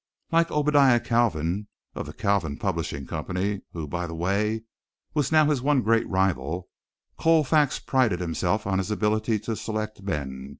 Like Obadiah Kalvin, of the Kalvin Publishing Company, who, by the way, was now his one great rival, Colfax prided himself on his ability to select men.